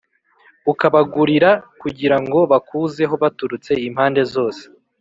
ukabagurira kugira ngo bakuzeho baturutse impande zose